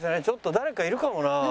ちょっと誰かいるかもな。